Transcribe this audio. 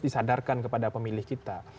disadarkan kepada pemilih kita